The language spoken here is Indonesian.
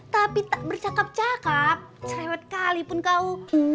tapi tak bercakap cakap cerewet kalipun kau